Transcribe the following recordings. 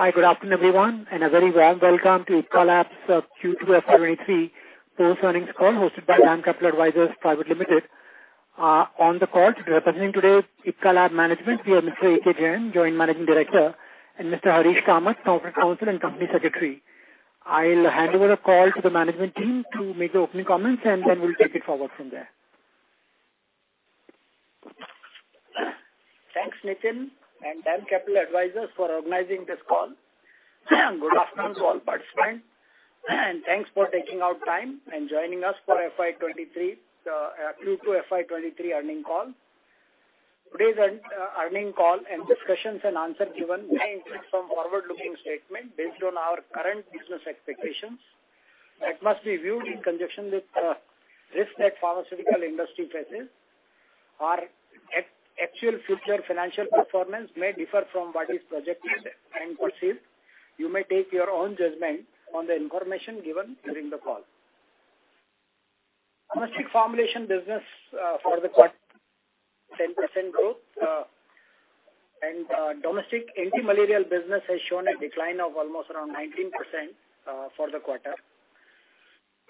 Hi, good afternoon, everyone, and a very warm welcome to Ipca Laboratories Q2 FY 2023 post-earnings call hosted by DAM Capital Advisors Limited. On the call to represent today Ipca Laboratories management, we have Mr. AK Jain, Joint Managing Director, and Mr. Harish Kamath, Corporate Counsel and Company Secretary. I'll hand over the call to the management team to make the opening comments, and then we'll take it forward from there. Thanks, Nitin and DAM Capital Advisors for organizing this call. Good afternoon to all participants, and thanks for taking out time and joining us for FY 2023 Q2 FY 2023 earnings call. Today's earnings call and discussions and answer given may include some forward-looking statement based on our current business expectations that must be viewed in conjunction with risk that pharmaceutical industry faces. Our actual future financial performance may differ from what is projected and perceived. You may take your own judgment on the information given during the call. Domestic formulation business for the quarter, 10% growth. Domestic anti-malarial business has shown a decline of almost around 19% for the quarter.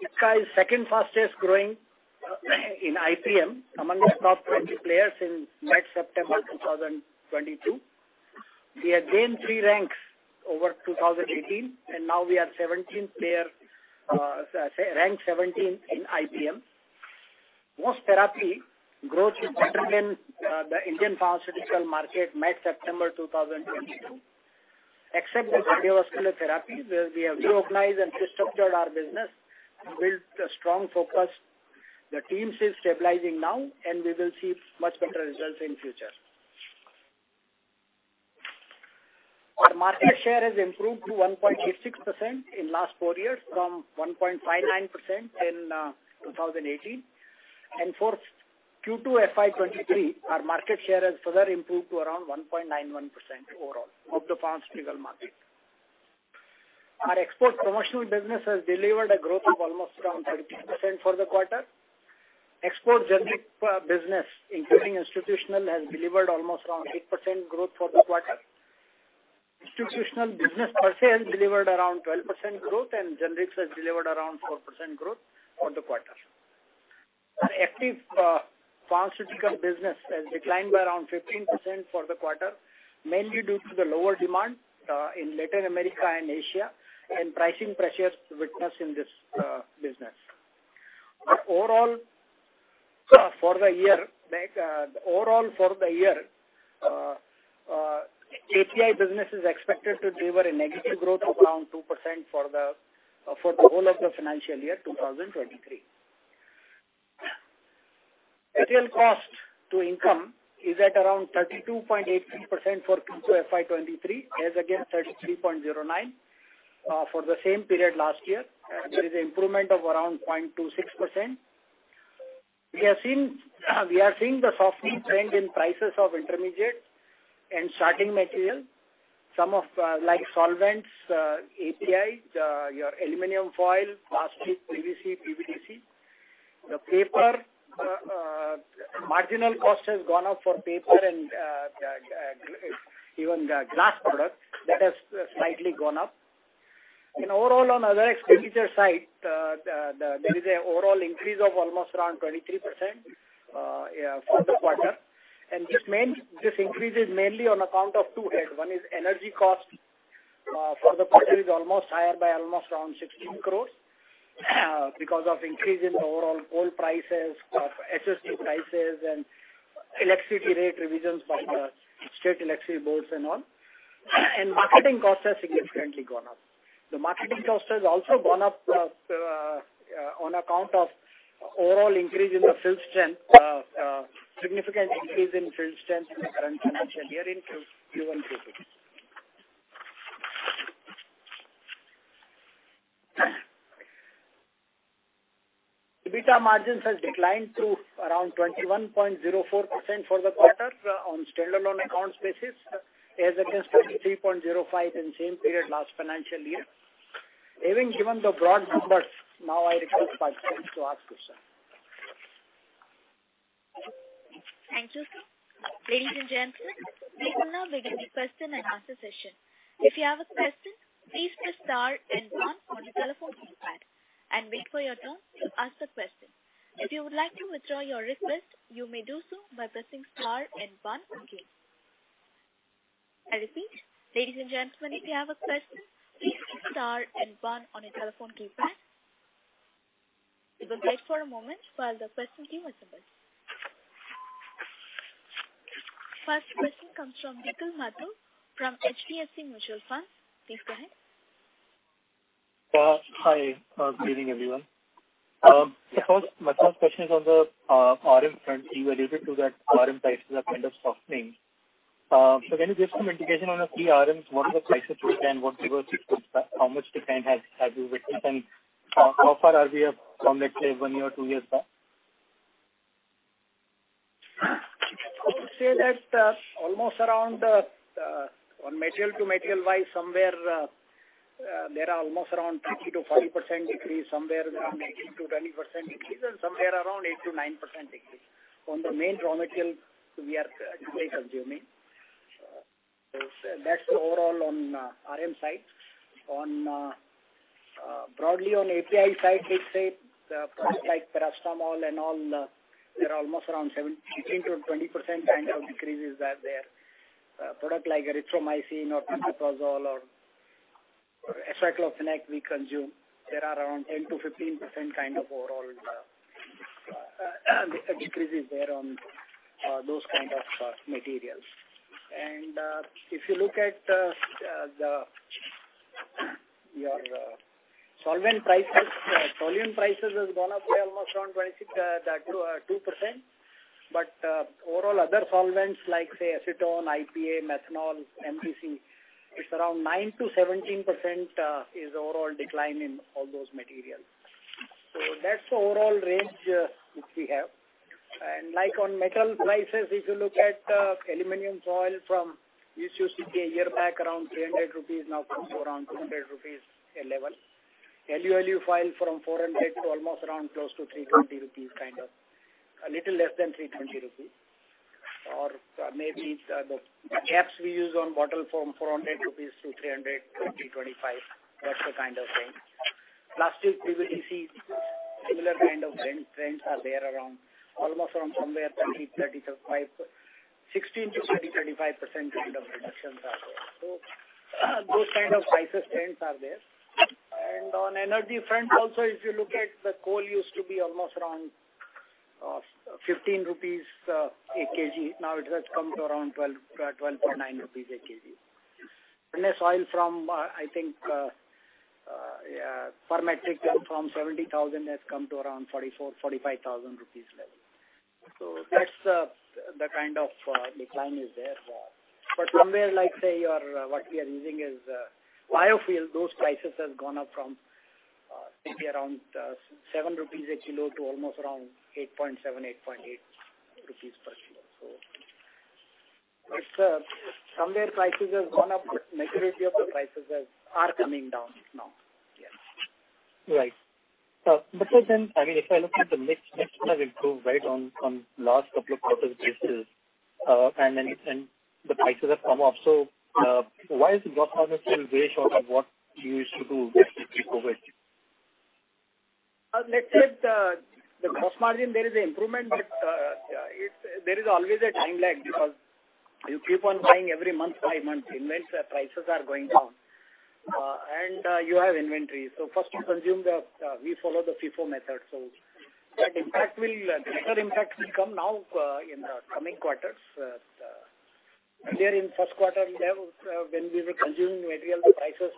Ipca is second fastest growing in IPM among the top 20 players in May-September 2022. We have gained 3 ranks over 2018, and now we are 17th player, ranked 17th in IPM. Most therapy growth is better than the Indian pharmaceutical market May-September 2022, except the cardiovascular therapy, where we have reorganized and restructured our business and built a strong focus. The team seems stabilizing now, and we will see much better results in future. The market share has improved to 1.86% in last 4 years from 1.59% in 2018. For Q2 FY 2023, our market share has further improved to around 1.91% overall of the pharmaceutical market. Our export promotional business has delivered a growth of almost around 13% for the quarter. Export generic business, including institutional, has delivered almost around 8% growth for the quarter. Institutional business per se has delivered around 12% growth and generics has delivered around 4% growth for the quarter. Our active pharmaceutical business has declined by around 15% for the quarter, mainly due to the lower demand in Latin America and Asia and pricing pressures witnessed in this business. Overall, for the year, like, API business is expected to deliver a negative growth of around 2% for the whole of the financial year 2023. Material cost to income is at around 32.83% for Q2 FY 2023, as against 33.09% for the same period last year. There is improvement of around 0.26%. We are seeing the softening trend in prices of intermediate and starting material. Some of, like solvents, APIs, your aluminum foil, plastic, PVC, PVDC. The paper marginal cost has gone up for paper and, even the glass product, that has slightly gone up. Overall, on other expenditure side, there is an overall increase of almost around 23%, for the quarter. This increase is mainly on account of two heads. One is energy cost, for the quarter is almost higher by almost around 16 crores, because of increase in the overall coal prices, of LSHS prices and electricity rate revisions by the state electricity boards and all. Marketing costs has significantly gone up. The marketing cost has also gone up, on account of overall increase in the field strength, significant increase in field strength in the current financial year in Q1, Q2. EBITDA margins has declined to around 21.04% for the quarter on standalone accounts basis, as against 23.05% in same period last financial year. Having given the broad numbers, now I request participants to ask question. Thank you, sir. Ladies and gentlemen, we will now begin the question and answer session. If you have a question, please press star and one on your telephone keypad and wait for your turn to ask the question. If you would like to withdraw your request, you may do so by pressing star and one again. I repeat. Ladies and gentlemen, if you have a question, please press star and one on your telephone keypad. We will wait for a moment while the question queue is assembled. First question comes from Nikhil Mathur from HDFC Mutual Fund. Please go ahead. Hi. Good evening, everyone. My first question is on the RM front. You alluded to that RM prices are kind of softening. So can you give some indication on the key RMs, what are the prices you take and what benefit it could have, how much decline have you witnessed? How far are we up from, let's say, one year or two years back? I would say that almost around on material to material-wise somewhere there are almost around 50%-40% decrease somewhere around 18%-20% decrease and somewhere around 8%-9% decrease on the main raw material we are currently consuming. That's overall on RM side. Broadly on API side let's say the products like Paracetamol and all they're almost around 17%-20% kind of decreases are there. Product like Erythromycin or Pantoprazole or Diclofenac we consume they're around 10%-15% kind of overall decreases there on those kind of materials. If you look at the solvent prices. Toluene prices has gone up by almost around 26%-22%. Overall other solvents like, say, acetone, IPA, methanol, MDC, it's around 9%-17% overall decline in all those materials. That's the overall range which we have. Like on metal prices, if you look at aluminum foil from this year to a year back, around 300 rupees now comes to around 200 rupees a level. Alu-Alu foil from 400 to almost around close to 320 rupees kind of. A little less than 320 rupee. Or maybe it's the caps we use on bottle from 400 rupees to 325, that's the kind of thing. Plastic PVC, similar kind of trend, trends are there around almost from somewhere kind of reductions are there. Those kind of prices trends are there. On energy front also, if you look at the coal used to be almost around 15 rupees/kg. Now it has come to around 12.9 rupees/kg. The oil per metric ton from 70,000 has come to around 44,000-45,000 rupees level. That's the kind of decline is there. Somewhere like, say, what we are using is biofuel, those prices have gone up from maybe around 7 rupees/kilo to almost around 8.7-8.8 rupees per kilo. It's somewhere prices have gone up, majority of the prices are coming down now. Yes. Right. I mean, if I look at the mix, the mix will improve right on last couple of quarters basis. The prices have come up. Why is the gross margin still very short of what you used to do just before COVID? Let's say the gross margin there is an improvement, but there is always a time lag because you keep on buying every month, five months, unless the prices are going down. You have inventory. First you consume. We follow the FIFO method. That impact, better impact will come now in the coming quarters. There, in first quarter level, when we were consuming material, the prices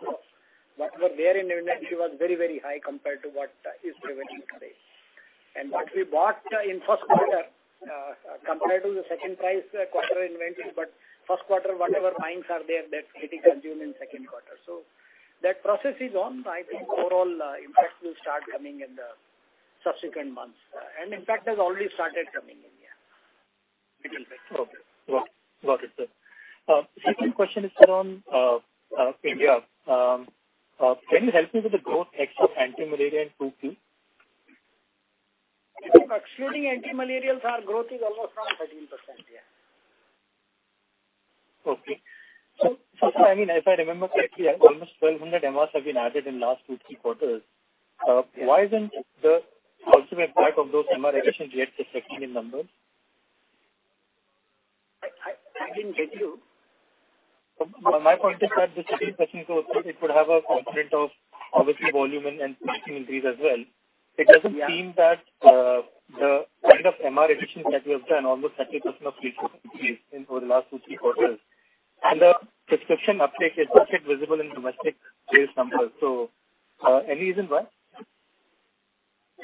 were there in inventory was very, very high compared to what is prevailing today. What we bought in first quarter compared to the second quarter inventory, but first quarter, whatever buyings are there, that getting consumed in second quarter. That process is on. I think overall impact will start coming in the subsequent months. In fact, has already started coming in, yeah. Little bit. Okay. Got it, sir. Second question is around India. Can you help me with the growth ex of anti-malarial in 2Q? Excluding anti-malarials, our growth is almost around 13%. Yeah. Sir, I mean, if I remember correctly, almost 1,200 MRs have been added in last two, three quarters. Why isn't the ultimate part of those MR additions yet reflecting in numbers? I didn't get you. My point is that the second question, it would have a component of obviously volume and prescription increase as well. It doesn't seem that the kind of MR additions that you have done, almost 30% increase over the last 2-3 quarters, and the prescription uptake is not yet visible in domestic sales numbers. Any reason why?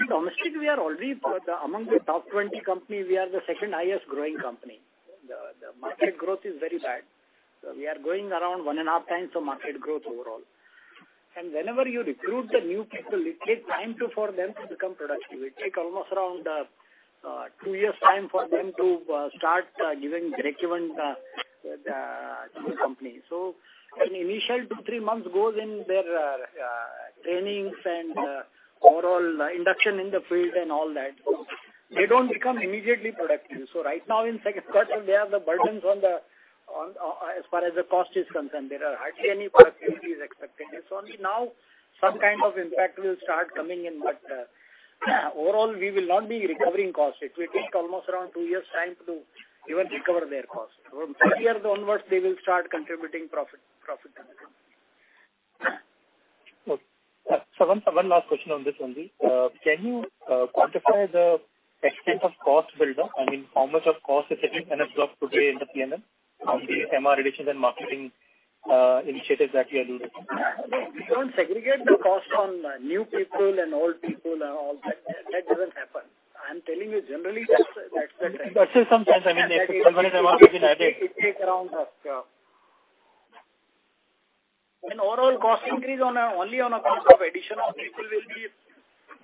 Domestically we are already among the top 20 company, we are the second highest growing company. The market growth is very bad. We are growing around 1.5x the market growth overall. Whenever you recruit the new people, it takes time for them to become productive. It take almost around 2 years' time for them to start giving relevant to the company. An initial 2, 3 months goes in their trainings and overall induction in the field and all that. They don't become immediately productive. Right now in second quarter, they have the burdens on the as far as the cost is concerned, there are hardly any productivity is expected. It's only now some kind of impact will start coming in. Overall, we will not be recovering costs. It will take almost around 2 years' time to even recover their costs. From third year onwards, they will start contributing profit to the company. Okay. One last question on this only. Can you quantify the extent of cost build up? I mean, how much of cost is sitting in a block today in the P&L on the MR additions and marketing initiatives that you alluded to? No, we don't segregate the cost on new people and old people and all that. That doesn't happen. I'm telling you generally that's the trend. Still sometimes, I mean, if 100 MRs have been added. It takes around, I mean, overall cost increase only on account of addition of people will be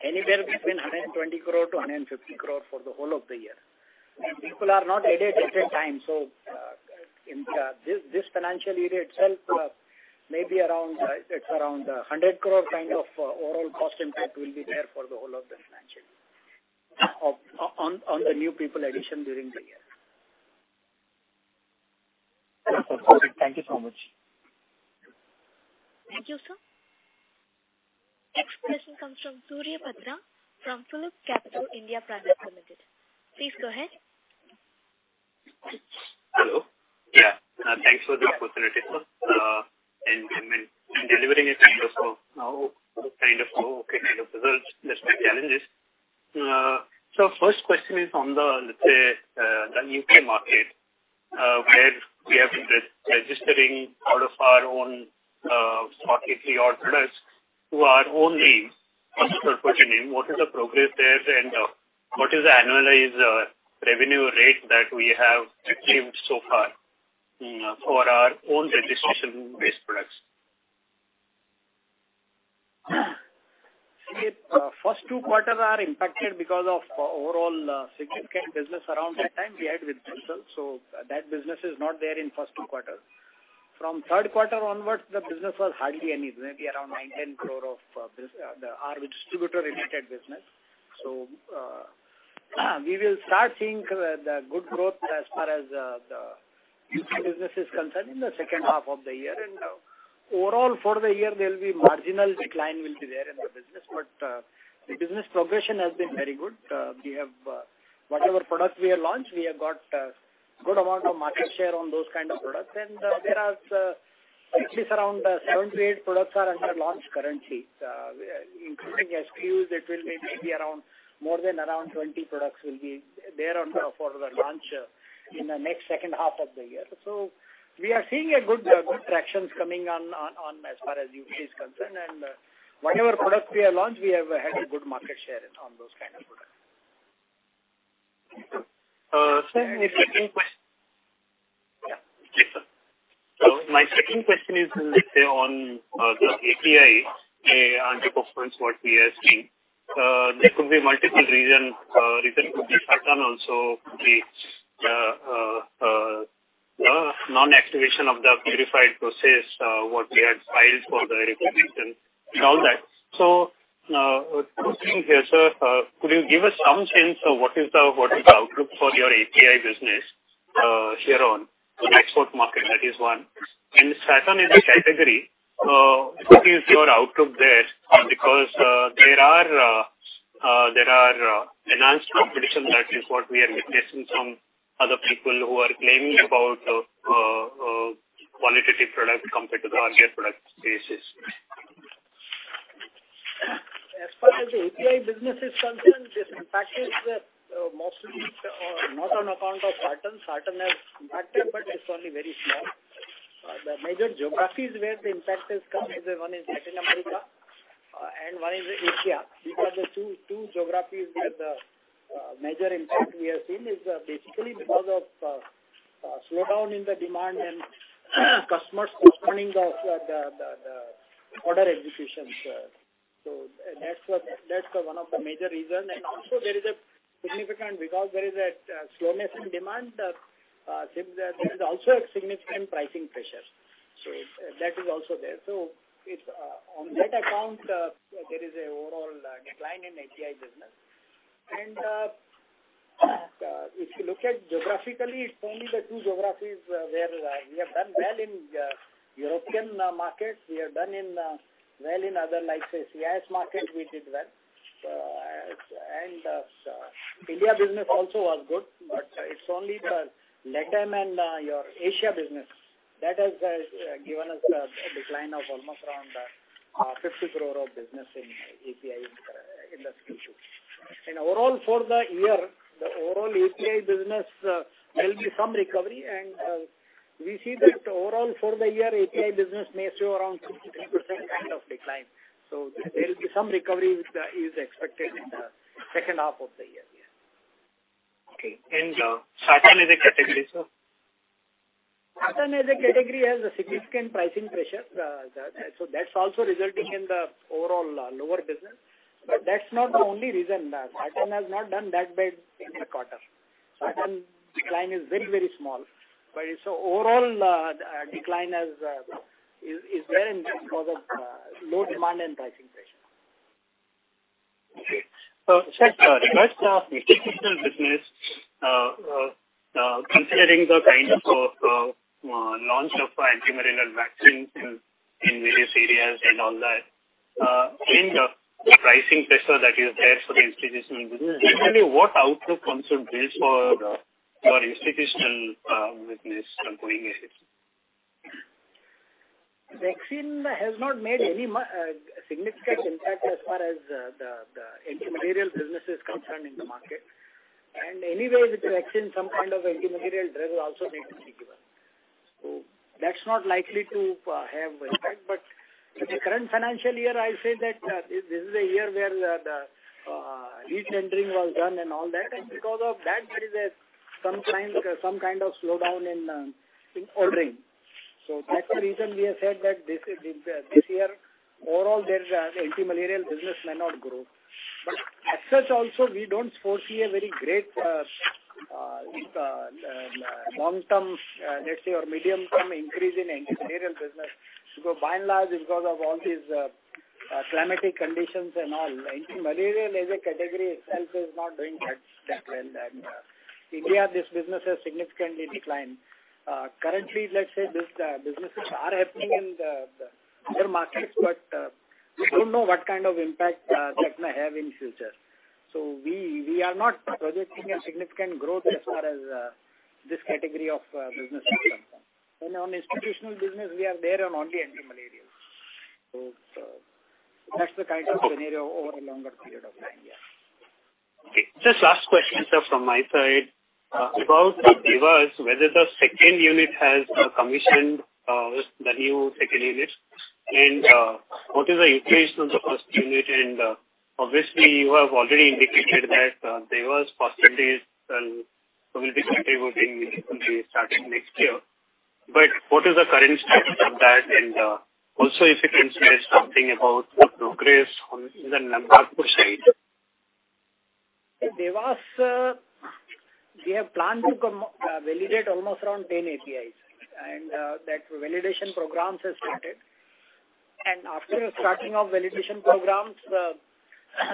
anywhere between 120 crore to 150 crore for the whole of the year. People are not added at a time, so in this financial year itself, maybe around, it's around 100 crore kind of overall cost impact will be there for the whole of this financial year. Okay. On the new people addition during the year. Okay. Thank you so much. Thank you, sir. Next question comes from Surya Patra from PhillipCapital India Private Limited. Please go ahead. Hello. Yeah. Thanks for the opportunity, sir, and for delivering kind of okay results now, despite challenges. First question is on the, let's say, the U.K. market, where we have been re-registering all of our own sort of pre-order products which are only customer per name. What is the progress there and what is the annualized revenue rate that we have achieved so far for our own registration-based products? See, first two quarters are impacted because of overall significant business around that time we had with ourselves, so that business is not there in first two quarters. From third quarter onwards, the business was hardly any. It may be around 9 crore-10 crore of our distributor-related business. We will start seeing the good growth as far as the U.K. business is concerned in the second half of the year. Overall for the year, there will be marginal decline will be there in the business. The business progression has been very good. We have whatever product we have launched, we have got a good amount of market share on those kind of products. There are at least around 70 products under launch currently. Including SKUs, it will be maybe more than around 20 products will be there on for the launch in the next second half of the year. We are seeing good traction coming on as far as the U.K. is concerned. Whatever products we have launched, we have had a good market share in those kind of products. Sir, my second quest- Yeah. Yes, sir. My second question is, let's say on the API performance what we are seeing, there could be multiple reason could be Sartan also could be non-activation of the purified process, what we had filed for the recognition and all that. Two things here, sir. Could you give us some sense of what is the outlook for your API business here on the export market? That is one. Sartan as a category, what is your outlook there? Because there are intense competition, that is what we are witnessing from other people who are claiming about qualitative product compared to the earlier product series. As far as the API business is concerned, this impact is mostly not on account of Sartan. Sartan has impacted, but it's only very small. The major geographies where the impact has come is one in Latin America and one is Asia. These are the two geographies where the major impact we have seen is basically because of slowdown in the demand and customers postponing of the order executions. So that's one of the major reason. Also there is a significant because there is a slowness in demand since there is also a significant pricing pressure. That is also there. If on that account there is a overall decline in API business. If you look at geographically, it's only the two geographies where we have done well in European markets. We have done well in other like CIS markets we did well. India business also was good, but it's only the LATAM and your Asia business that has given us a decline of almost around 50 crore of business in API industry too. In overall for the year, the overall API business there will be some recovery. We see that overall for the year API business may show around 50% kind of decline. There will be some recovery which is expected in the second half of the year. Yeah. Okay. Sartan as a category, sir? Sartan as a category has a significant pricing pressure. That's also resulting in the overall lower business. That's not the only reason. Sartan has not done that bad in the quarter. Sartan decline is very, very small. It's overall decline is there and because of low demand and pricing pressure. Okay. Sir, regarding institutional business, considering the kind of launch of anti-malarial vaccines in various areas and all that, in the pricing pressure that is there for the institutional business, generally what outlook comes with this for your institutional business going ahead? Vaccine has not made any significant impact as far as the anti-malarial business is concerned in the market. Anyway, with the vaccine, some kind of anti-malarial drug will also need to be given. That's not likely to have impact. In the current financial year, I'll say that this is a year where the lease tendering was done and all that. Because of that, there is some kind of slowdown in ordering. That's the reason we have said that this year, overall their anti-malarial business may not grow. As such also, we don't foresee a very great long-term, let's say, or medium-term increase in anti-malarial business. Because by and large, because of all these climatic conditions and all, anti-malarial as a category itself is not doing that well. In India, this business has significantly declined. Currently, let's say, this businesses are happening in the other markets, but we don't know what kind of impact that may have in future. So we are not projecting a significant growth as far as this category of business is concerned. On institutional business, we are there only on anti-malarials. So that's the kind of scenario over a longer period of time. Yeah. Okay. Just last question, sir, from my side. About Dewas, whether the second unit has commissioned the new second unit. What is the utilization of the first unit? Obviously you have already indicated that Dewas facilities will be contributing significantly starting next year. What is the current status of that? Also if you can say something about the progress on in the Ratlam side. Dewas, we have planned to validate almost around 10 APIs. That validation program has started. After starting of validation program,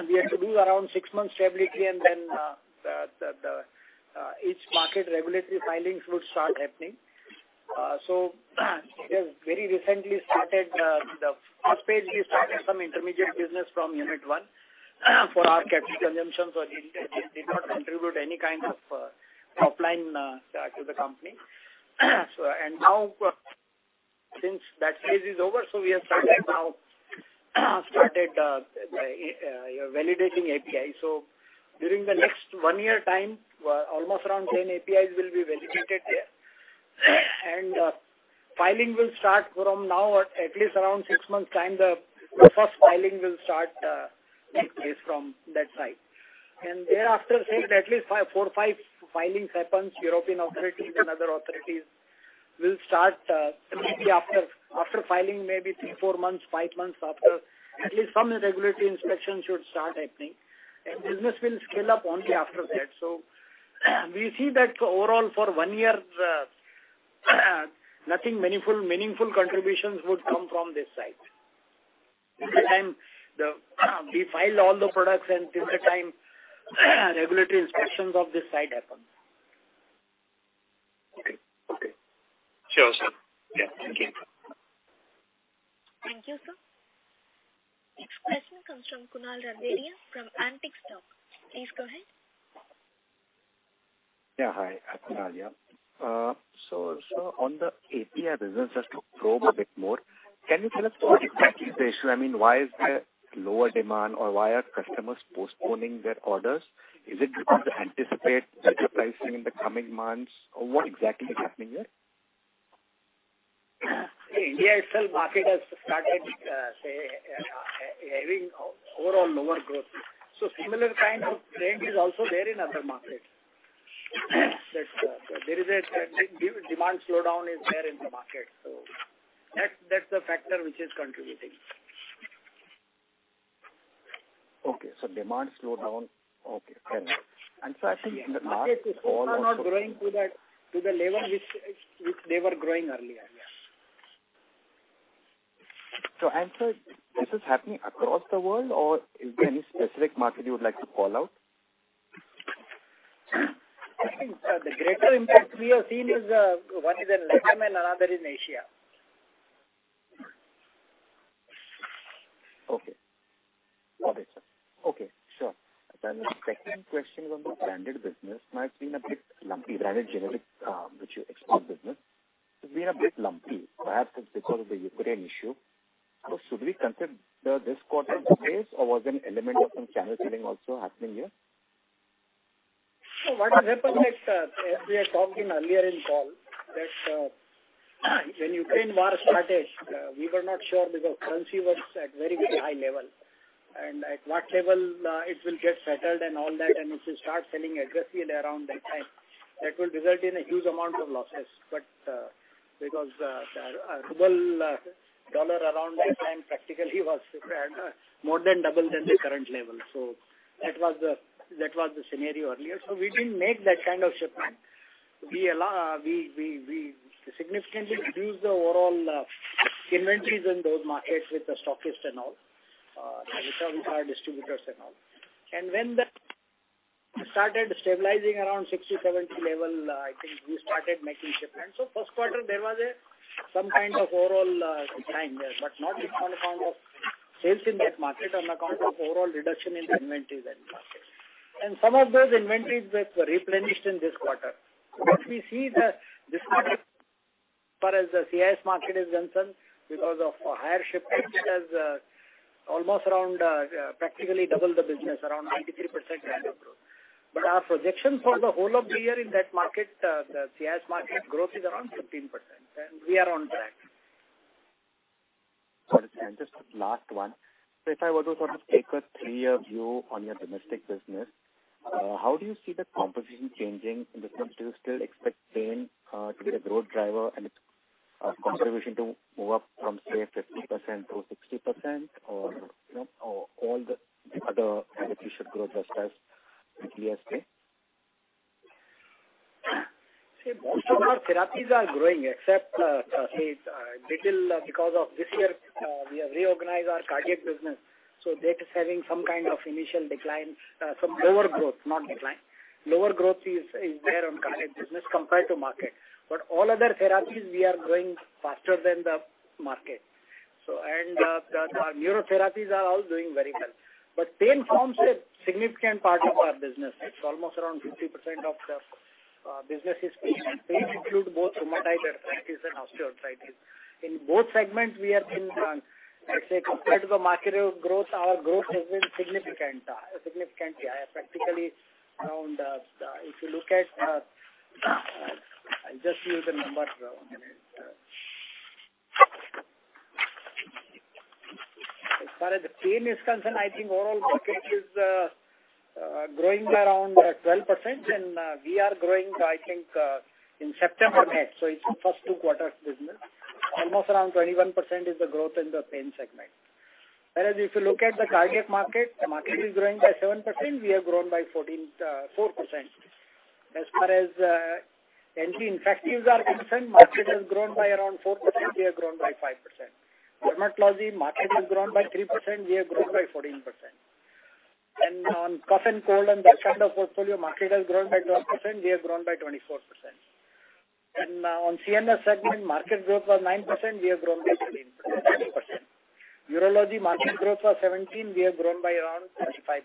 we have to do around 6 months stability and then, the each market regulatory filings would start happening. We have very recently started the first phase, we started some intermediate business from unit one for our capital consumptions, so it did not contribute any kind of top line to the company. Now since that phase is over, we have started validating API. During the next 1 year time, almost around 10 APIs will be validated there. Filing will start from now at least around 6 months time, the first filing will start next phase from that side. Thereafter, say at least 4, 5 filings happen. European authorities and other authorities will start, maybe after filing maybe 3, 4 months, 5 months after, at least some regulatory inspections should start, I think. Business will scale up only after that. We see that overall for one year, nothing meaningful contributions would come from this side. In the time that we file all the products and till the time regulatory inspections of this side happen. Okay. Sure, sir. Yeah. Thank you. Thank you, sir. Next question comes from Kunal Randeria from Antique Stock Broking. Please go ahead. Yeah, hi. Kunal here. On the API business, just to probe a bit more, can you tell us what exactly is the issue? I mean, why is there lower demand, or why are customers postponing their orders? Is it because they anticipate better pricing in the coming months, or what exactly is happening there? India itself, market has started having overall lower growth. Similar kind of trend is also there in other markets. That there is a demand slowdown is there in the market. That's the factor which is contributing. Okay. Demand slowdown. Okay. Thank you. I think in the past- Okay. Folks are not growing to the level which they were growing earlier. Yeah. Sir, this is happening across the world, or is there any specific market you would like to call out? I think, the greater impact we have seen is, one is in LATAM and another is in Asia. Got it, sir. Okay, sure. The second question is on the branded business. It might have been a bit lumpy. Branded generics, which is your export business. It's been a bit lumpy, perhaps because of the Ukraine issue. Should we consider this quarter's case or was there an element of some channel selling also happening here? What happened is, as we were talking earlier in call, that, when Ukraine war started, we were not sure because currency was at very, very high level. At what level, it will get settled and all that, and if you start selling aggressively around that time, that will result in a huge amount of losses. Because ruble dollar around that time practically was more than double than the current level. That was the scenario earlier. We didn't make that kind of shipment. We significantly reduced the overall inventories in those markets with the stockists and all, with our distributors and all. When that started stabilizing around 60, 70 level, I think we started making shipments. First quarter there was some kind of overall decline there, but not on account of sales in that market, on account of overall reduction in inventories in that market. Some of those inventories were replenished in this quarter. What we see this quarter, as far as the CIS market is concerned, because of higher shipments, it has almost around practically double the business, around 93% kind of growth. Our projection for the whole of the year in that market, the CIS market growth is around 15%, and we are on track. Got it. Just last one. If I were to sort of take a 3-year view on your domestic business, how do you see the composition changing in the sense do you still expect pain to be the growth driver and its contribution to move up from, say, 50% to 60% or, you know, or all the other therapies should grow just as previously? See, most of our therapies are growing except little because of this year we have reorganized our cardiac business, so that is having some kind of initial decline. Some lower growth, not decline. Lower growth is there on cardiac business compared to market. All other therapies we are growing faster than the market. The neurotherapies are all doing very well. Pain forms a significant part of our business. It's almost around 50% of the business is pain. Pain include both rheumatoid arthritis and osteoarthritis. In both segments we are in, let's say compared to the market growth, our growth has been significant, significantly. Practically around, if you look at, I'll just give you the numbers. One minute. As far as the pain is concerned, I think overall market is growing around 12% and we are growing, I think, in September month, so it's first two quarters business, almost around 21% is the growth in the pain segment. Whereas if you look at the cardiac market, the market is growing by 7%, we have grown by 14.4%. As far as anti-infectives are concerned, market has grown by around 4%, we have grown by 5%. Dermatology market has grown by 3%, we have grown by 14%. On cough and cold and that kind of portfolio, market has grown by 12%, we have grown by 24%. On CNS segment, market growth was 9%, we have grown by 13%. Urology market growth was 17%, we have grown by around 25%.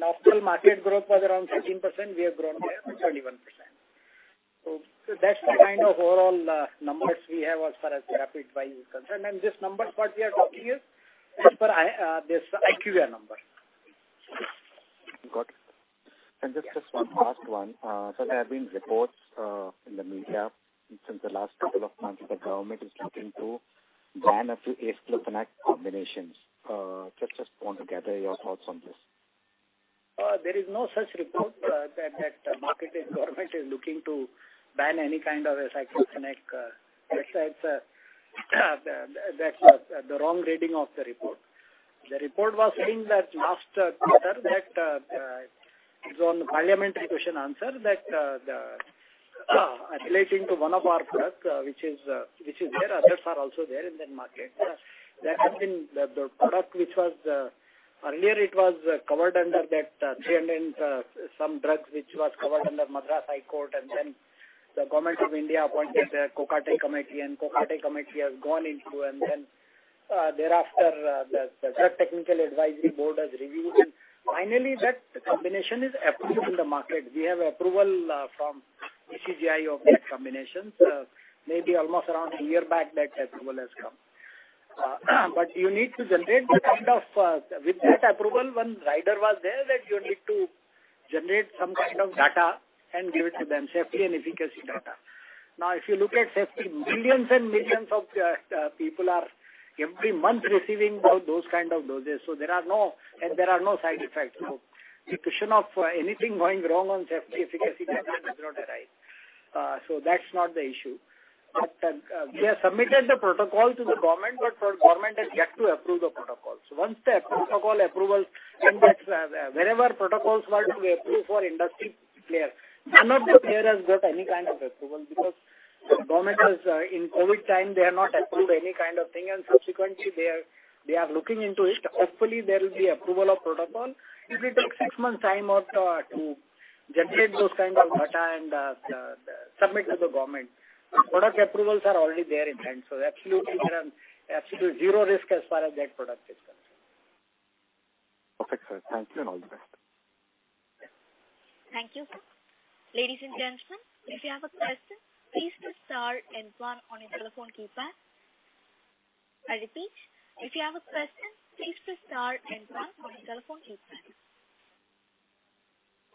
Ophthal market growth was around 13%, we have grown by 21%. That's the kind of overall numbers we have as far as therapeutic wise is concerned. This number what we are talking is for IQVIA. Got it. Just one last one. So there have been reports in the media since the last couple of months that the government is looking to ban a few Aceclofenac combinations. Just want to gather your thoughts on this. There is no such report that market and government is looking to ban any kind of Aceclofenac. That's the wrong reading of the report. The report was saying that last quarter that it's on parliamentary question answer that the relating to one of our product which is there. Others are also there in that market. That has been the product which was earlier it was covered under that 300 some drugs which was covered under Madras High Court and then the government of India appointed the Kokate Committee, and Kokate Committee has gone into, and then thereafter the Drugs Technical Advisory Board has reviewed. Finally that combination is approved in the market. We have approval from DCGI of that combination. Maybe almost around a year back that approval has come. With that approval, one rider was there that you need to generate some kind of data and give it to them, safety and efficacy data. Now, if you look at safety, millions and millions of people are every month receiving those kind of doses. There are no side effects. The question of anything going wrong on safety, efficacy data has not arrived. That's not the issue. We have submitted the protocol to the government, but the government is yet to approve the protocols. Once the protocol approval and that's wherever protocols were to be approved for industry player, none of the player has got any kind of approval because the government is in COVID time, they have not approved any kind of thing and subsequently they are looking into it. Hopefully, there will be approval of protocol. It may take six months time or to generate those kind of data and submit to the government. Product approvals are already there in hand. Absolutely there are absolutely zero risk as far as that product is concerned. Perfect, sir. Thank you and all the best. Thank you. Ladies and gentlemen, if you have a question, please press star and one on your telephone keypad. I repeat, if you have a question, please press star and one on your telephone keypad.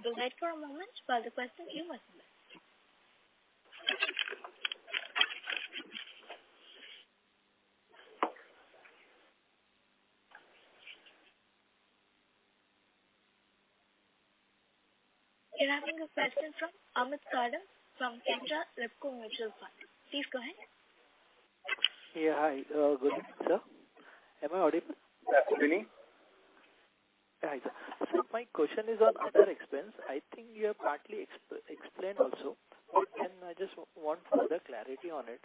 Do wait for a moment while the question queue is processed. We're having a question from Amit Kadam from Canara Robeco Mutual Fund. Please go ahead. Yeah. Hi, good evening, sir. Am I audible? Yes, clearly. Hi, sir. My question is on other expenses. I think you have partly explained also. I just want further clarity on it.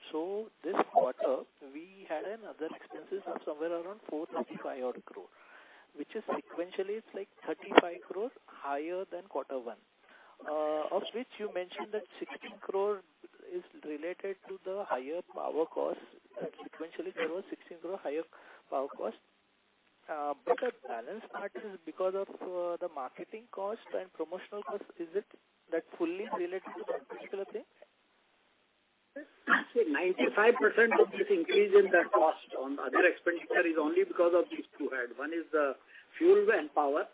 This quarter we had other expenses of somewhere around 435 crore, which is sequentially 35 crore higher than quarter one. Of which you mentioned that 16 crore is related to the higher power cost. Sequentially there was 16 crore higher power cost. But the balance part is because of the marketing cost and promotional cost. Is it that fully related to that particular thing? See, 95% of this increase in the cost on other expenditure is only because of these two heads. One is the fuels and power,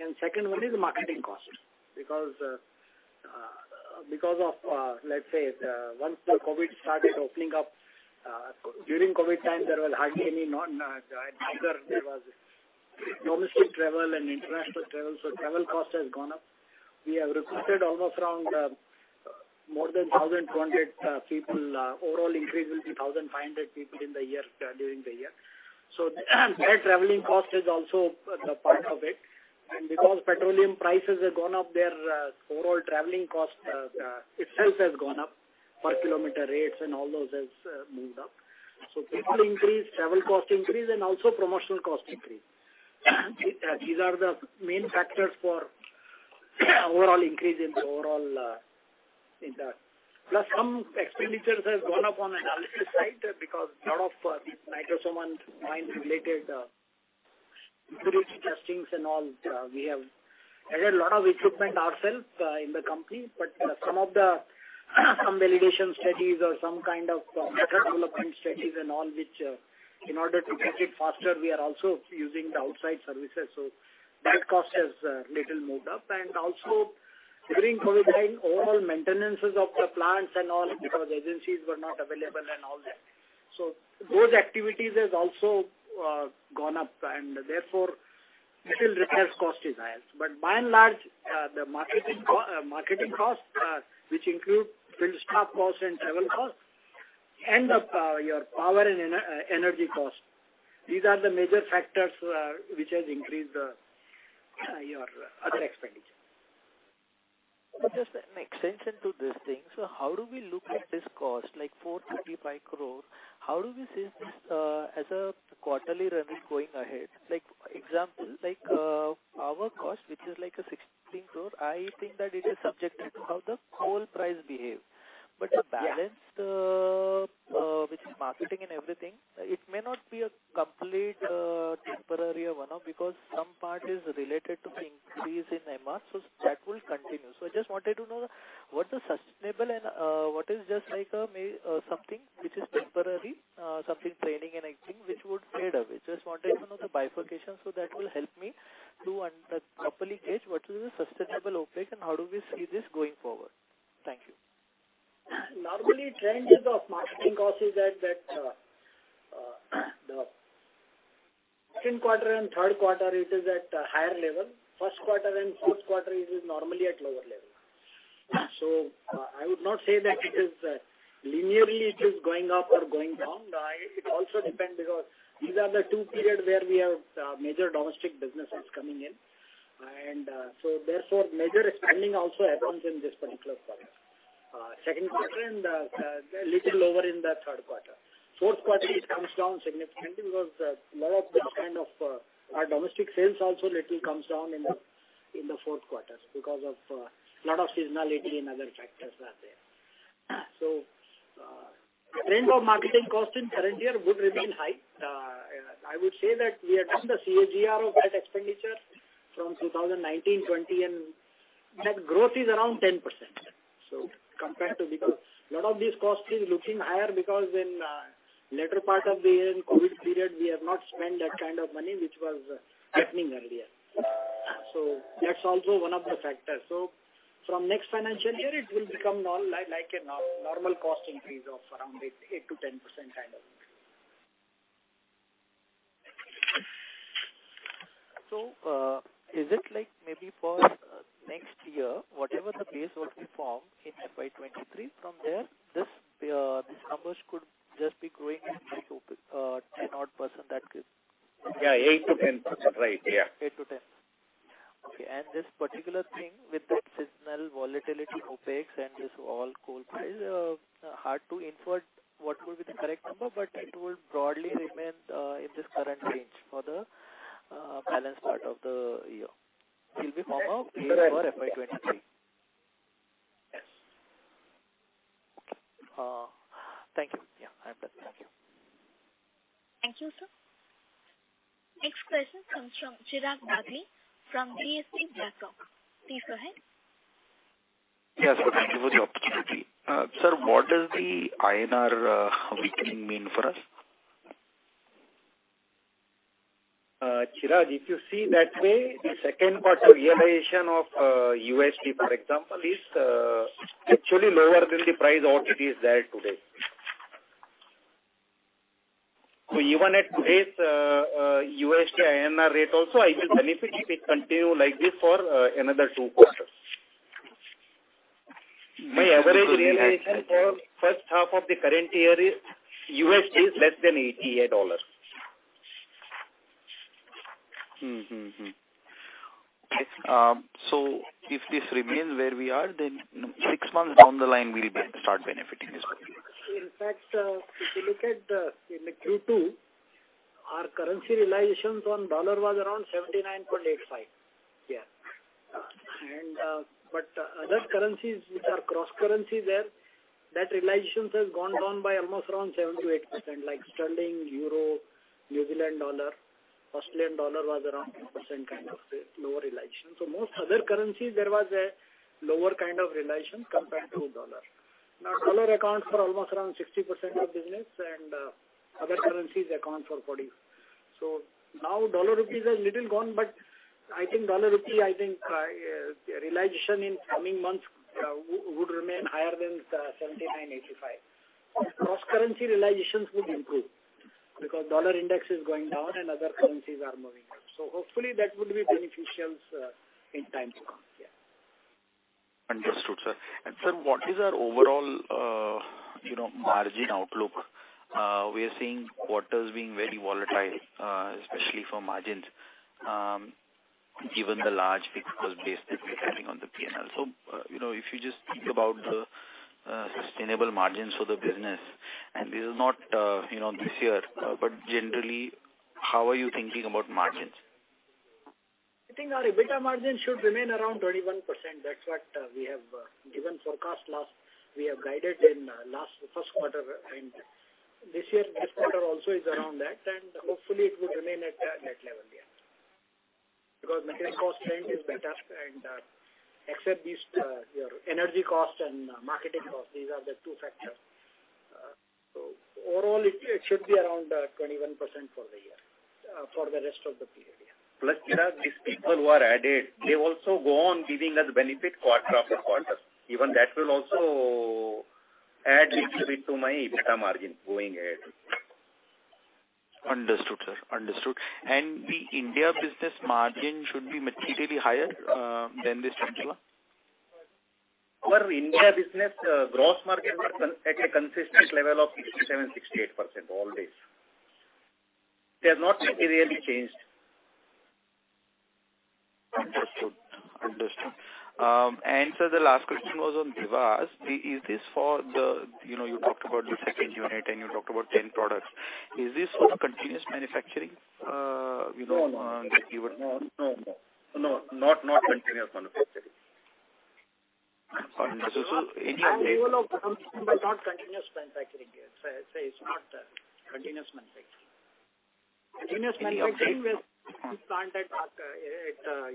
and second one is marketing cost. Because of, let's say, once the COVID started opening up, during COVID time there was hardly any domestic travel and international travel. Travel cost has gone up. We have recruited almost around more than 1,200 people. Overall increase will be 1,500 people in the year, during the year. That traveling cost is also the part of it. And because petroleum prices have gone up there, overall traveling cost itself has gone up. Per kilometer rates and all those has moved up. People increase, travel cost increase and also promotional cost increase. These are the main factors for overall increase in the overall. Some expenditures has gone up on analysis side because lot of these nitrosamine related purity testings and all, we have added a lot of equipment ourselves in the company. Some validation studies or some kind of method development studies and all which in order to get it faster, we are also using the outside services. That cost has little moved up. During COVID time, overall maintenance of the plants and all because agencies were not available and all that. Those activities has also gone up and therefore little repairs cost is high. By and large, the marketing costs, which include field staff cost and travel cost and your power and energy cost. These are the major factors, which has increased your other expenditure. Just an extension to this thing. How do we look at this cost, like 455 crore. How do we see this as a quarterly revenue going ahead? Like example, like power cost, which is like 16 crore, I think that it is subjected to how the coal price behave. The balance, which is marketing and everything, it may not be a complete temporary or one-off because some part is related to the increase in MR, that will continue. I just wanted to know what the sustainable and what is just like a may something which is temporary something transient and I think which would fade away. Just wanted to know the bifurcation so that will help me to properly gauge what is the sustainable OpEx and how do we see this going forward. Thank you. Normally, trends is of marketing cost is at that, the second quarter and third quarter it is at a higher level. First quarter and fourth quarter it is normally at lower level. I would not say that it is linearly it is going up or going down. It also depend because these are the two period where we have major domestic businesses coming in. Major spending also happens in this particular quarter. Second quarter and little lower in the third quarter. Fourth quarter it comes down significantly because lot of this kind of our domestic sales also little comes down in the fourth quarters because of lot of seasonality and other factors are there. Range of marketing cost in current year would remain high. I would say that we have done the CAGR of that expenditure from 2019-2020, and net growth is around 10%. Compared to that, because a lot of these costs are looking higher because in later part of the year in COVID period, we have not spent that kind of money which was happening earlier. That's also one of the factors. From next financial year it will become normal cost increase of around 8%-10% kind of increase. Is it like maybe for next year, whatever the base will be formed in FY 2023, from there, this numbers could just be growing at like 10% odd that is Yeah, 8%-10%. Right. Yeah. 8-10. Okay. This particular thing with the seasonal volatility OpEx and this all coal price, hard to infer what will be the correct number, but it will broadly remain in this current range for the balance part of the year. It will be for most of the year for FY 2023. Yes. Thank you. Yeah, I'm done. Thank you. Thank you, sir. Next question comes from Chirag Dagli from DSP Mutual Fund. Please go ahead. Yes. Thank you for the opportunity. Sir, what does the INR weakening mean for us? Chirag, if you see that way, the second quarter realization of USD, for example, is actually lower than the price at which it is there today. Even at today's USD-INR rate also, I will benefit if it continue like this for another two quarters. My average realization for first half of the current year is USD less than $88. If this remains where we are, then six months down the line we'll start benefiting this. In fact, if you look at in Q2, our currency realizations on dollar was around $79.85. Other currencies which are cross currencies there, that realizations has gone down by almost around 7%-8%, like sterling, euro, New Zealand dollar. Australian dollar was around 10% kind of lower realization. Most other currencies there was a lower kind of realization compared to dollar. Now dollar accounts for almost around 60% of business and other currencies account for 40%. Dollar rupee has little gone, but I think dollar rupee realization in coming months would remain higher than $79-$85. Cross currency realizations would improve because dollar index is going down and other currencies are moving up. Hopefully that would be beneficial in times to come. Understood, sir. Sir, what is our overall, you know, margin outlook? We are seeing quarters being very volatile, especially for margins, given the large fixed cost base that we're carrying on the PNL. You know, if you just think about the sustainable margins for the business, and this is not, you know, this year, but generally how are you thinking about margins? I think our EBITDA margin should remain around 21%. That's what we have given forecast last. We have guided in last first quarter, and this year this quarter also is around that, and hopefully it will remain at that level, yeah. Because material cost trend is better and except these your energy costs and marketing costs, these are the two factors. Overall it should be around 21% for the year for the rest of the period, yeah. Plus, sir, these people who are added, they also go on giving us benefit quarter after quarter. Even that will also add little bit to my EBITDA margin going ahead. Understood, sir. Understood. The India business margin should be materially higher than this 21%? For India business, gross margin was at a consistent level of 67%-68% always. They have not materially changed. Understood. The last question was on Dewas. Is this for the? You know, you talked about the second unit and you talked about 10 products. Is this for the continuous manufacturing? You know, given- No, not continuous manufacturing. Pardon me. Any update? We will have some, but not continuous manufacturing. It's not continuous manufacturing. Any update? Continuous manufacturing is planned at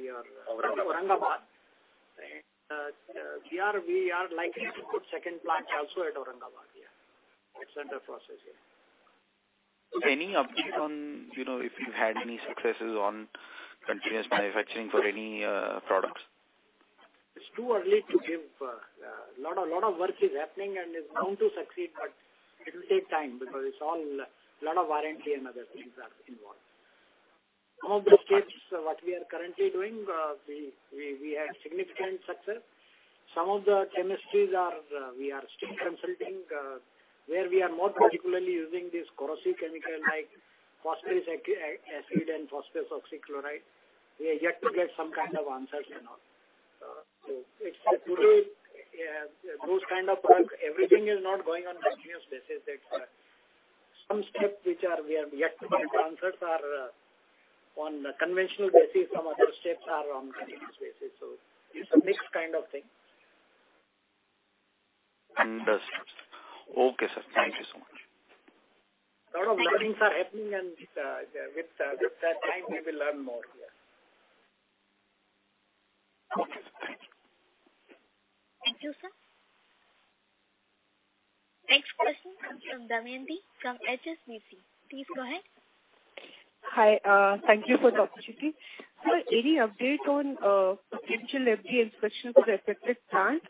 your. Aurangabad. Aurangabad. We are likely to put second plant also at Aurangabad. Yeah. It's under process, yeah. Any update on, you know, if you've had any successes on continuous manufacturing for any products? It's too early to give. Lot of work is happening and it's going to succeed, but it will take time because it's all lot of warranty and other things are involved. Some of the steps what we are currently doing, we had significant success. Some of the chemistries are we are still consulting where we are more particularly using this corrosive chemical like phosphoric acid and phosphorus oxychloride. We are yet to get some kind of answers and all. It's today those kind of products everything is not going on continuous basis. It's some steps which we have yet to get answers are on the conventional basis. Some other steps are on continuous basis. It's a mixed kind of thing. Understood. Okay, sir. Thank you so much. Lot of learnings are happening and with time we will learn more. Yeah. Okay. Thank you. Thank you, sir. Next question comes from Damayanti from HSBC. Please go ahead. Hi, thank you for the opportunity. Sir, any update on potential FDA inspection for affected plant?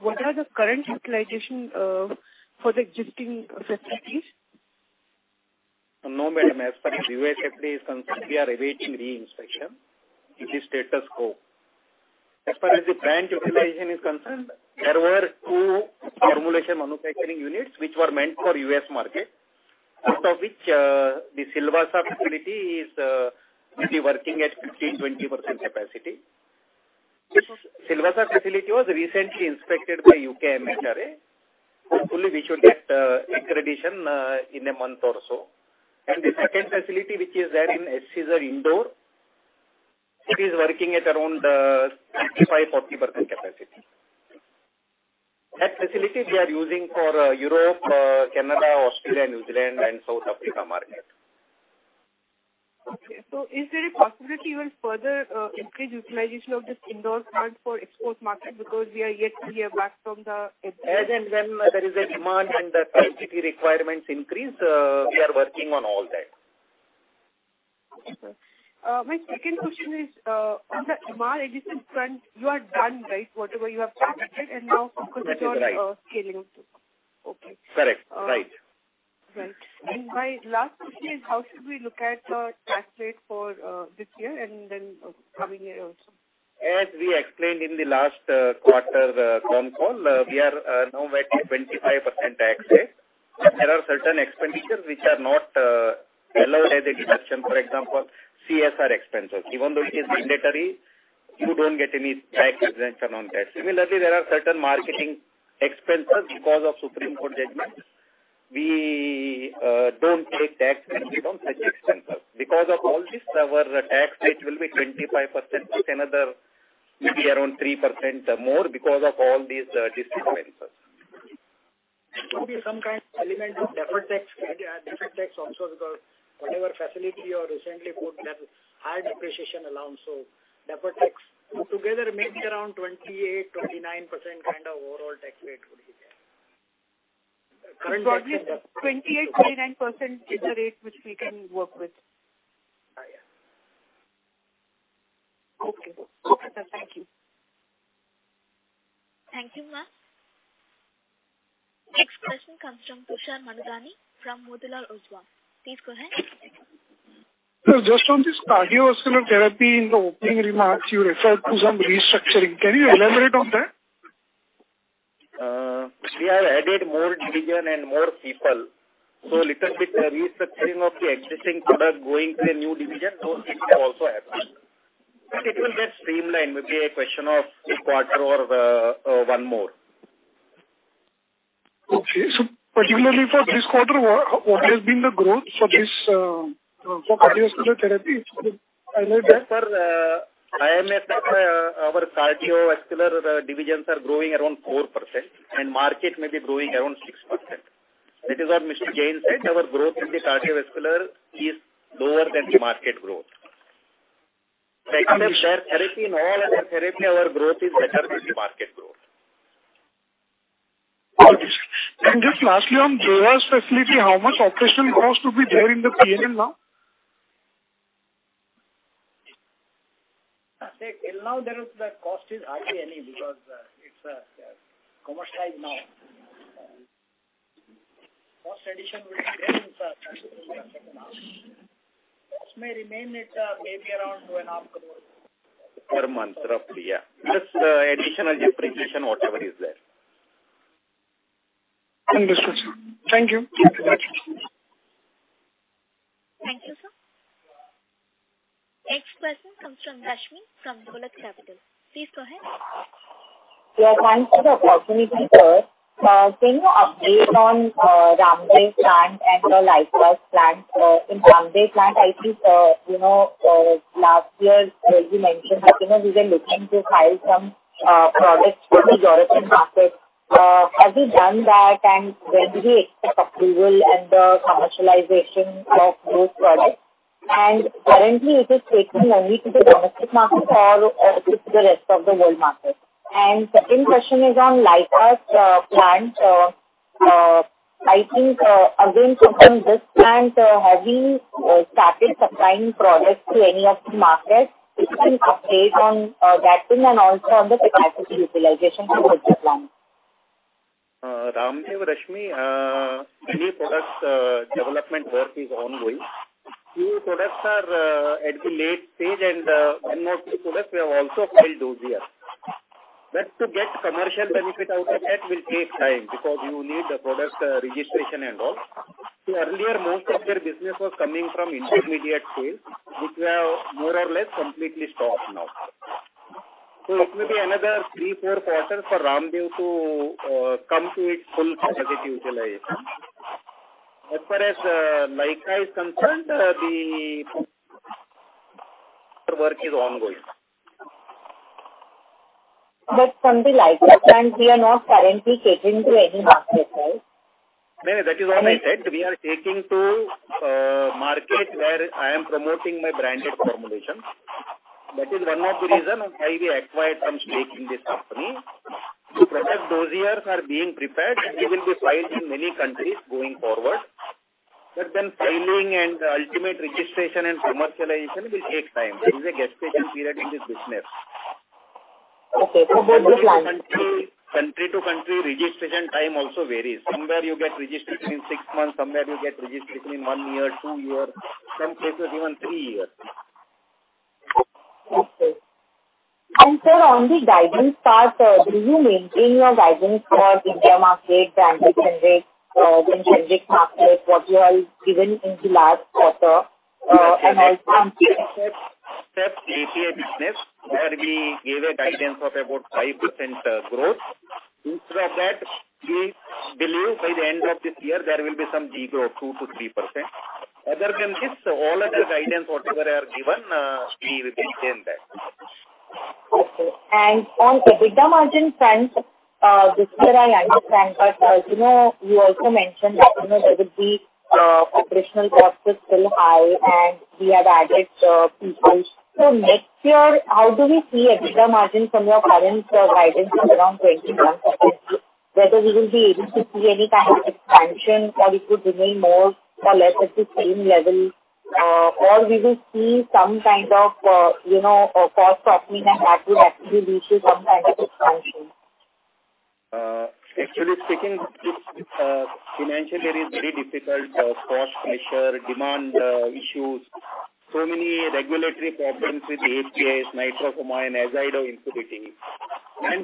What are the current utilization for the existing facilities? No, madam. As far as USA facility is concerned, we are awaiting re-inspection. It is status quo. As far as the plant utilization is concerned, there were two formulation manufacturing units which were meant for U.S. market, out of which, the Silvassa facility is maybe working at 15%-20% capacity. Silvassa facility was recently inspected by U.K. MHRA. Hopefully, we should get accreditation in a month or so. The second facility which is there in SEZ, Indore, it is working at around 40%-65% capacity. That facility we are using for Europe, Canada, Australia, New Zealand and South Africa market. Okay. Is there a possibility you will further increase utilization of this Indore plant for export market? Because we are yet to hear back from the FDA. As and when there is a demand and the cGMP requirements increase, we are working on all that. Okay, sir. My second question is, on the Ipca Laboratories front, you are done, right? Whatever you have to execute and now focused on, scaling up. That is right. Okay. Correct. Right. Right. My last question is how should we look at tax rate for this year and then coming year also? As we explained in the last quarter conf call, we are now at a 25% tax rate. There are certain expenditures which are not allowed as a deduction. For example, CSR expenses. Even though it is mandatory, you don't get any tax exemption on that. Similarly, there are certain marketing expenses because of Supreme Court judgments, we don't take tax benefit on such expenses. Because of all this, our tax rate will be 25%, plus another maybe around 3% more because of all these discrete expenses. There could be some kind of element of deferred tax, deferred tax also because whatever facility you have recently put have high depreciation allowance, so deferred tax. Together maybe around 28-29% kind of overall tax rate could be there. Probably 28%-29% is the rate which we can work with. Oh, yeah. Okay, sir. Thank you. Thank you, ma'am. Next question comes from Tushar Manudhane from Motilal Oswal. Please go ahead. Sir, just on this cardiovascular therapy in the opening remarks, you referred to some restructuring. Can you elaborate on that? We have added more division and more people. Little bit restructuring of the existing product going to a new division, those things have also happened. It will get streamlined, maybe a question of a quarter or one more. Okay. Particularly for this quarter, what has been the growth for this cardiovascular therapy? As per IMS, our cardiovascular divisions are growing around 4% and market may be growing around 6%. That is what Mr. Jain said. Our growth in the cardiovascular is lower than the market growth. Except therapy in all and therapy, our growth is better than the market growth. Okay. Just lastly, on facility, how much operational cost will be there in the PNL now? Say, till now the cost is hardly any because it's commercialized now. Cost addition will be there in second half. Cost may remain at maybe around 2.5 crore per month roughly. Plus additional depreciation, whatever is there. Understood, sir. Thank you. Thank you. Thank you, sir. Next question comes from Rashmi from Dolat Capital. Please go ahead. Yeah, thanks for the opportunity, sir. Any update on Ramdev plant and the Lyka plant? In Ramdev plant, I think you know last year you mentioned that you know we were looking to file some products with the European market. Have you done that? When do we expect approval and the commercialization of those products? Currently it is taken only to the domestic market or to the rest of the world market. Second question is on Lyka plant. I think again from this plant have you started supplying products to any of the markets? If you can update on that thing and also on the capacity utilization for the plant. Ramdev, Rashmi, new product development work is ongoing. A few products are at the late stage and one more new product we have also filed this year. To get commercial benefit out of that will take time because you need the product registration and all. Earlier, most of their business was coming from intermediate sales, which have more or less completely stopped now. It may be another 3-4 quarters for Ramdev to come to its full capacity utilization. As far as Lyka is concerned, the work is ongoing. From the Lyka plant we are not currently taking to any market, right? No, that is what I said. We are taking to market where I am promoting my branded formulation. That is one of the reason of why we acquired some stake in this company. The product dossiers are being prepared. It will be filed in many countries going forward. Filing and ultimate registration and commercialization will take time. There is a gestation period in this business. Okay. Country to country registration time also varies. Somewhere you get registration in 6 months, somewhere you get registration in 1 year, 2 years, some cases even 3 years. Sir, on the guidance part, do you maintain your guidance for EBITDA margin, the ambition rate, the generic market, what you all given in the last quarter, and? Except API business, where we gave a guidance of about 5% growth. Instead of that, we believe by the end of this year there will be some de-growth, 2%-3%. Other than this, all other guidance whatever I have given, we will maintain that. Okay. On EBITDA margin front, this year I understand, but, you know, you also mentioned that, you know, there will be operational costs is still high and we have added people. Next year, how do we see EBITDA margin from your current guidance of around 21%? Whether we will be able to see any kind of expansion or it would remain more or less at the same level, or we will see some kind of, you know, cost-off maybe and that would actually lead to some kind of expansion. Actually speaking, it's financially very difficult, cost pressure, demand issues, so many regulatory problems with the APIs, Nitrofurantoin, Azido including. Plus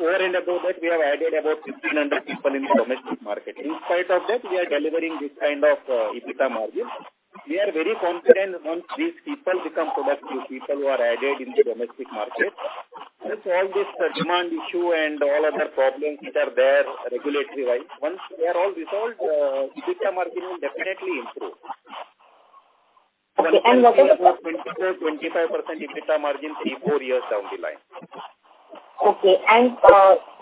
over and above that, we have added about 1,500 people in the domestic market. In spite of that, we are delivering this kind of EBITDA margin. We are very confident once these people become productive people who are added in the domestic market. Plus all this demand issue and all other problems which are there regulatory wise, once they are all resolved, EBITDA margin will definitely improve. Okay, what is About 20%-25% EBITDA margin 3-4 years down the line. Okay.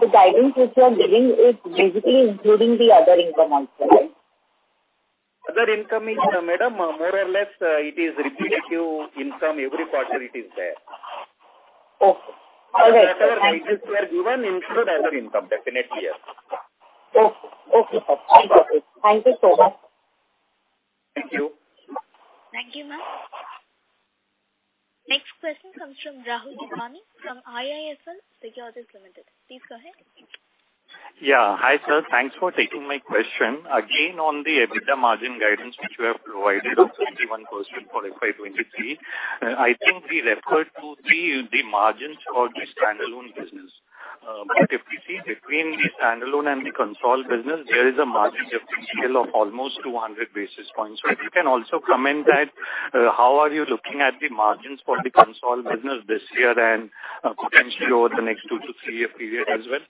The guidance which you are giving is basically including the other income also, right? Other income is, madam, more or less, it is repetitive income. Every quarter it is there. Okay. All right. Whatever wages were given include other income, definitely, yes. Okay. Okay, sir. Thank you. Thank you so much. Thank you. Thank you, ma'am. Next question comes from Rahul Jeewani from IIFL Securities Limited. Please go ahead. Yeah. Hi, sir. Thanks for taking my question. Again, on the EBITDA margin guidance which you have provided of 51% for FY 2023, I think we referred to the margins for the standalone business. But if we see between the standalone and the consolidated business, there is a margin differential of almost 200 basis points. If you can also comment on how you are looking at the margins for the consolidated business this year and potentially over the next 2-3-year period as well.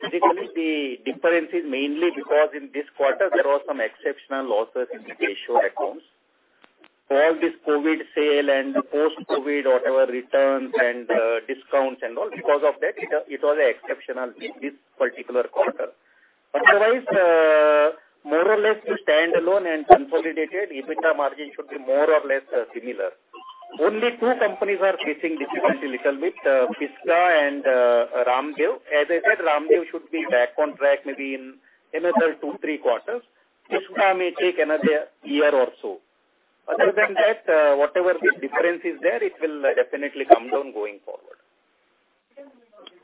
Typically, the difference is mainly because in this quarter there was some exceptional losses in the Asia accounts. All this COVID sale and post-COVID, whatever returns and discounts and all, because of that, it was exceptional this particular quarter. Otherwise, more or less the standalone and consolidated EBITDA margin should be more or less similar. Only two companies are facing difficulty little bit, Pisgah and Ramdev. As I said, Ramdev should be back on track maybe in another two, three quarters. Pisgah may take another year or so. Other than that, whatever the difference is there, it will definitely come down going forward.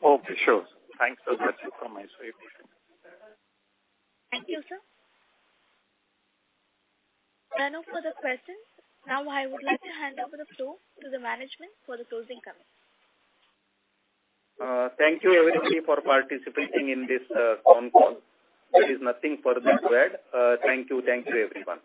Okay, sure. Thanks so much. Thank you, sir. There are no further questions. Now I would like to hand over the floor to the management for the closing comments. Thank you everybody for participating in this phone call. There is nothing further to add. Thank you. Thank you everyone.